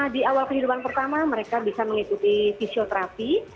di awal kehidupan pertama mereka bisa mengikuti fisioterapi